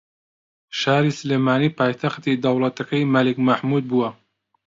شاری سلێمانی پایتەختی دەوڵەتەکەی مەلیک مەحموود بووە